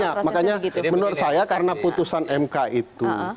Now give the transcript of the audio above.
ya makanya menurut saya karena putusan mk itu